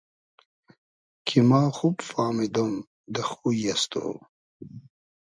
کی ما خوب فامیدۉم دۂ خۉری از تو